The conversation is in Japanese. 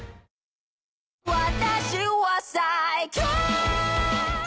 「私は最強」